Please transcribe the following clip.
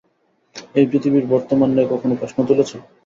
এই পৃথিবীর বর্তমান নিয়ে কখনো প্রশ্ন তুলেছো?